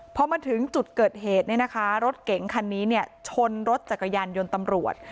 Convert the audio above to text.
พอมาถึงจุดเกิดเหตุรถเก๋งคันนี้ชนรถจักรยานยนต์ตำรวจ